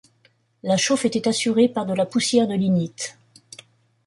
La chauffe était assurée par de la poussière de lignite.